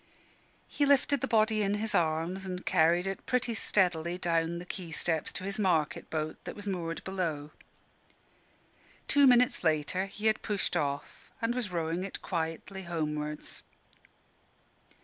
He lifted the body in his arms, and carried it pretty steadily down the quay steps to his market boat, that was moored below. Two minutes later he had pushed off and was rowing it quietly homewards.